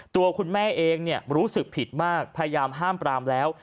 ตัวคุณแม่เองรู้สึกผิดมากพยายามห้ามปรามแล้ว